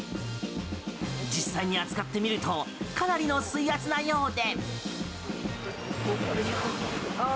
実際に扱ってみるとかなりの水圧なようで。